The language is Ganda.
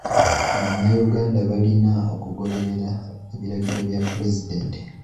Bannayuganda balina okugoberera ebiragiro bya pulezidenti.